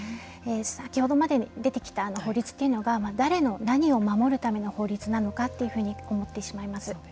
先ほどまで出てきた法律というのが誰の何を守るための法律なのかというふうに思ってしまいます。